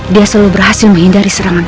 dia selalu berhasil menghindari serangan